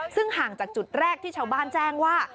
ซึ่งห่างจากจุดแรกที่ชาวบ้านแจ้งว่า